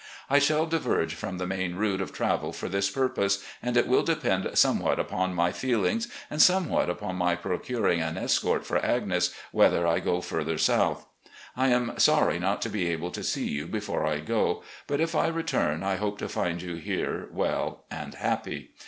I shall diverge from the main route of travel for this purpose, and it will depend somewhat upon my feelings and somewhat upon my procuring an escort for Agnes, whether I go further south. " I am sorry not to be able to see you before I go, but if I return, I hope to find you here well and happy.